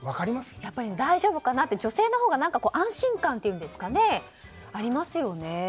大丈夫かなと、女性のほうが安心感っていうんですかねありますよね。